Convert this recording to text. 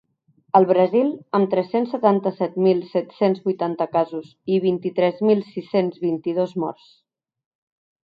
El Brasil, amb tres-cents setanta-set mil set-cents vuitanta casos i vint-i-tres mil sis-cents vint-i-dos morts.